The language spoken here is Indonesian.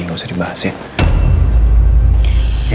nggak usah dibahas ya